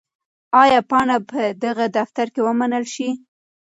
آیا پاڼه به په دغه دفتر کې ومنل شي؟